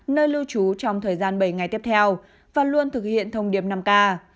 nơi lưu trú trong thời gian bảy ngày tiếp theo và luôn thực hiện thông điệp năm k